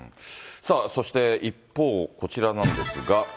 さあ、そして、一方、こちらなんですが。